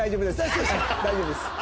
大丈夫ですか？